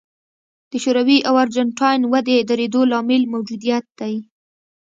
د شوروي او ارجنټاین ودې درېدو لامل موجودیت دی.